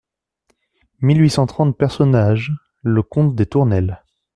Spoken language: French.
mille huit cent trente PERSONNAGES LE COMTE DES TOURNELLES.